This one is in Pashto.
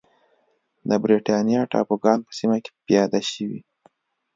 د برېټانیا ټاپوګان په سیمه کې پیاده شوې.